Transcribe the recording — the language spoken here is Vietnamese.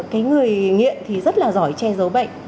cái người nghiện thì rất là giỏi che giấu bệnh